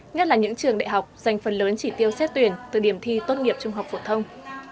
nhất là những trường đại học dành phần lớn chỉ tiêu xét tuyển từ điểm thi tốt nghiệp trung học phổ thông